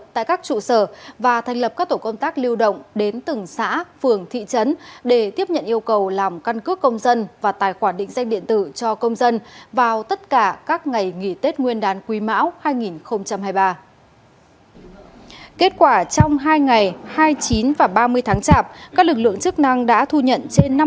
tại các trụ sở và thành lập các tổ công tác lưu động đến từng xã phường thị trấn để tiếp nhận yêu cầu làm căn cước công dân